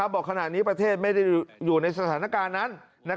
บอกขณะนี้ประเทศไม่ได้อยู่ในสถานการณ์นั้น